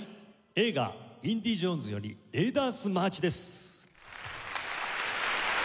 映画『インディ・ジョーンズ』より『レイダース・マーチ』です。